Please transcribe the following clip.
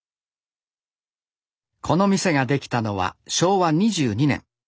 この店が出来たのは昭和２２年。